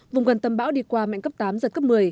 vùng gần tâm bão đi qua mạnh cấp tám giật cấp một mươi